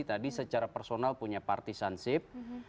tadi secara personal punya partisansip